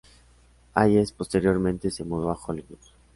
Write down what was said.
Hayes posteriormente se mudó a Hollywood.